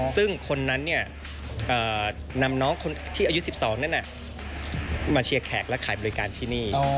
ซึ่งคนนั้นนำน้องคนที่อายุ๑๒นั้นมาเชียร์แขกและขายบริการที่นี่